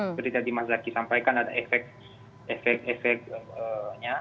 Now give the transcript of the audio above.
seperti tadi mas zaky sampaikan ada efek efeknya